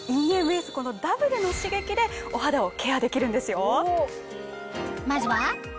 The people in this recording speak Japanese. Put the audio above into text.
このダブルの刺激でお肌をケアできるんですよ。